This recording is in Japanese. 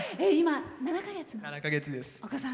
７か月です。